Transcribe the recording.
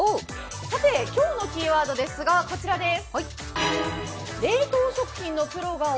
さて、今日のキーワードですが、こちらです。